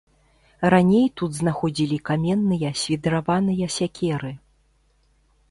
Раней тут знаходзілі каменныя свідраваныя сякеры.